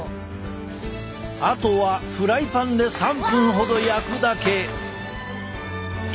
あとはフライパンで３分ほど焼くだけ。